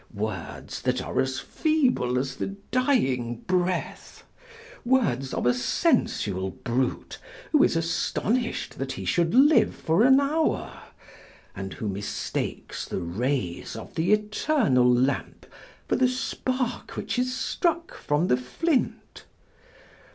Words that are as feeble as the dying breath! Words of a sensual brute who is astonished that he should live for an hour, and who mistakes the rays of the eternal lamp for the spark which is struck from the flint.